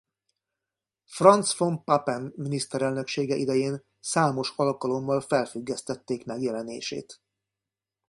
Franz von Papen miniszterelnöksége idején számos alkalommal felfüggesztették megjelenését.